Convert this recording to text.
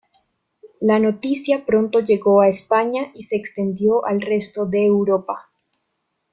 La noticia pronto llegó a España y se extendió al resto de Europa.